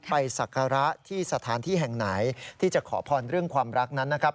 ศักระที่สถานที่แห่งไหนที่จะขอพรเรื่องความรักนั้นนะครับ